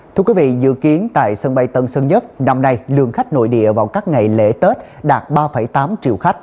thưa quý vị dự kiến tại sân bay tân sơn nhất năm nay lượng khách nội địa vào các ngày lễ tết đạt ba tám triệu khách